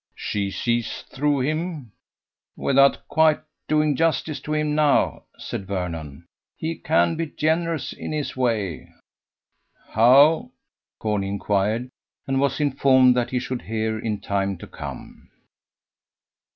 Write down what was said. "She sees through him?" "Without quite doing justice to him now," said Vernon. "He can be generous in his way." "How?" Corney inquired, and was informed that he should hear in time to come.